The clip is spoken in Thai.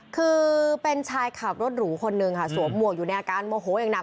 คือเป็นชายขับรถหรูคนหนึ่งค่ะสวมหมวกอยู่ในอาการโมโหอย่างหนัก